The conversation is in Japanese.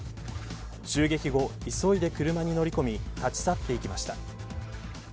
襲撃後、急いで車に乗り込み立ち去っていきました。